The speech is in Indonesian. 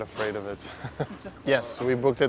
ya kami menunggu sekitar dua bulan